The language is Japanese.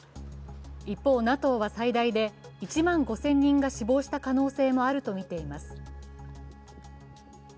一方、ＮＡＴＯは最大で１万５０００人が死亡した可能性もあるとみています。